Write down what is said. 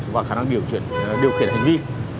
và khả năng điều khiển hành vi